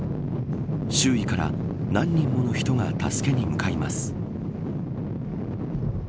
周囲から何人もの人が助けに向かいます。